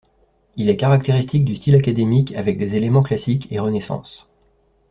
Il est caractéristique du style académique avec des éléments classiques et Renaissance.